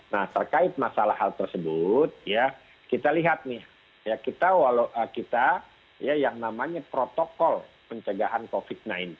nah terkait masalah hal tersebut ya kita lihat nih kita ya yang namanya protokol pencegahan covid sembilan belas